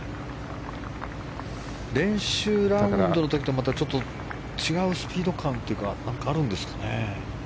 練習ラウンドの時とまたちょっと違うスピード感というか何かあるんですかね。